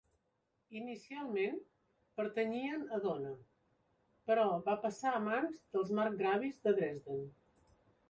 Inicialment, pertanyien a Dohna, però va passar a mans dels marcgravis de Dresden.